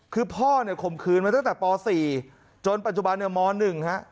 คือพ่อเนี่ยคมขืนมาตั้งแต่ปสี่จนปัจจุบันเนื้อมหนึ่งฮะ